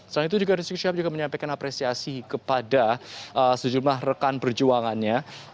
selain itu juga rizik syihab juga menyampaikan apresiasi kepada sejumlah rekan perjuangannya